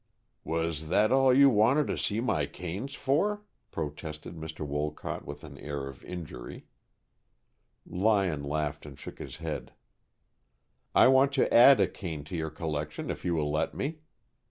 "Was that all you wanted to see my canes for?" protested Mr. Wolcott, with an air of injury. Lyon laughed and shook his hand. "I want to add a cane to your collection if you will let me.